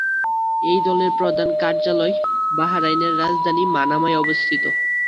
এই দলের প্রধান কার্যালয় বাহরাইনের রাজধানী মানামায় অবস্থিত।